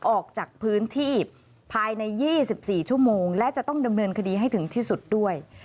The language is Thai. ออกจากพื้นที่ภายใน๒๔ชั่วโมงและจะต้องดำเนินคดีให้ถึงที่สุดด้วย